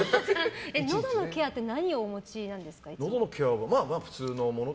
のどのケアって何をお持ちなんですか？